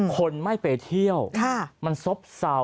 คนไม่ไปเที่ยวมันซบเศร้า